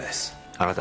あなた